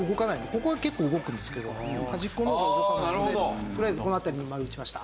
ここは結構動くんですけど端っこの方が動かないのでとりあえずこの辺りに丸を打ちました。